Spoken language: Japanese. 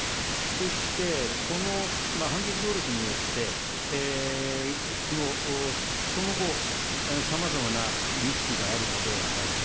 そしてこの反撃能力によって、その後、さまざまなリスクがあるのではないか。